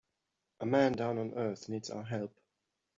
A man down on earth needs our help.